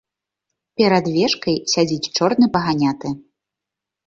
Перад вежкай сядзіць чорны паганяты.